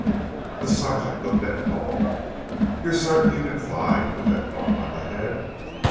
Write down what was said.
The sergeant looked at Paul. "You're certain you can fly with that bump on the head?"